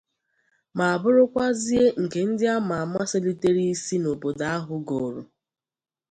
ma bụrụkwazie nke ndị a ma ama selitere isi n'obodo ahụ gooro.